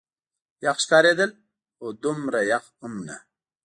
یخ ښکارېدل، خو دومره یخ هم نه.